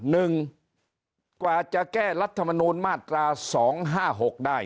หนึ่งกว่าจะแก้รัฐมนูลมาตราสองห้าหกได้